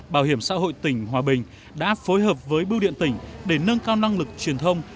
bảo hiểm xã hội tỉnh hòa bình đã phối hợp với bưu điện tỉnh để nâng cao năng lực truyền thông